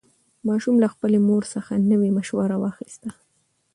ماشوم له خپلې مور څخه نوې مشوره واخیسته